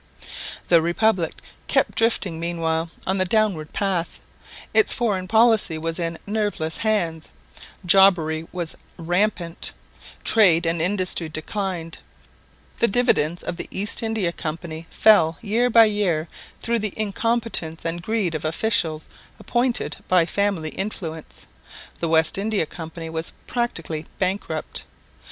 The Republic kept drifting meanwhile on the downward path. Its foreign policy was in nerveless hands; jobbery was rampant; trade and industry declined; the dividends of the East India Company fell year by year through the incompetence and greed of officials appointed by family influence; the West India Company was practically bankrupt.